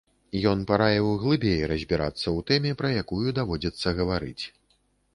Ён параіў глыбей разбірацца ў тэме, пра якую даводзіцца гаварыць.